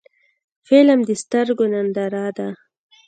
فلم د سترګو ننداره ده